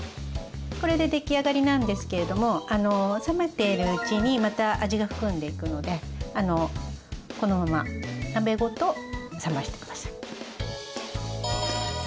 これで出来上がりなんですけれども冷めているうちにまた味が含んでいくのでこのまま鍋ごと冷まして下さい。